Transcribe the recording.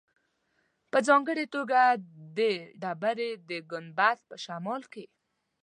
په ځانګړې توګه د ډبرې د ګنبد په شمال کې.